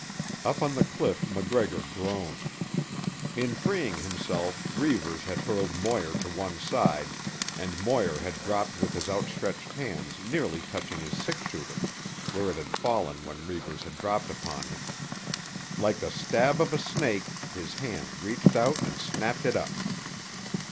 Up on the cliff MacGregor groaned. In freeing himself Reivers had hurled Moir to one side, and Moir had dropped with his outstretched hands nearly touching his six shooter, where it had fallen when Reivers had dropped upon him. Like the stab of a snake his hand reached out and snapped it up.